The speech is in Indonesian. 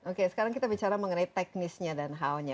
oke sekarang kita bicara mengenai teknisnya dan how nya